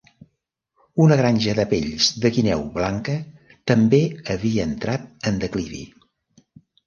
Una granja de pells de guineu blanca també havia entrat en declivi.